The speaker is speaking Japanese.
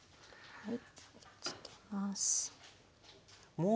はい。